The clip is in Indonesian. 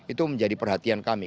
itu menjadi perhatian kami